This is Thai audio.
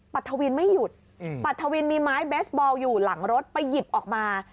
ทวินไม่หยุดปัทวินมีไม้เบสบอลอยู่หลังรถไปหยิบออกมา